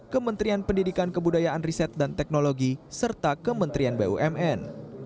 kementerian pendidikan kebudayaan riset dan teknologi serta kementerian bumn